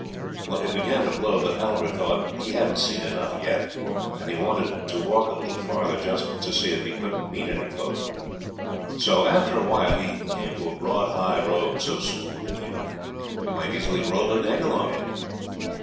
Well, it began to blow, but Halvor thought he hadn't seen enough yet, and he wanted to walk a little farther just to see if he couldn't meet any folk. So after a while he came to a broad high road, so smooth and even, you might easily roll an egg along it.